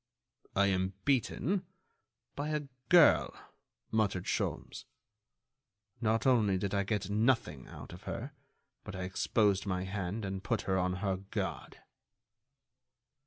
"I am beaten ... by a girl," muttered Sholmes. "Not only did I get nothing out of her but I exposed my hand and put her on her guard."